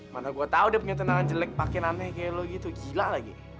mana gua tahu udah punya teteraan jelek pakin aneh kayak lo gitu gila lagi